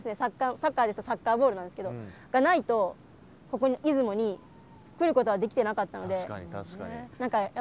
サッカーですとサッカーボールなんですけどがないとここに出雲に来ることはできてなかったので。